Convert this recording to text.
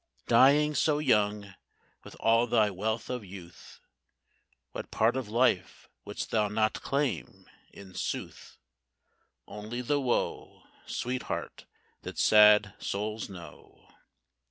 Dying so young, with all thy wealth of youth, What part of life wouldst thou not claim, in sooth? Only the woe, Sweetheart, that sad souls know.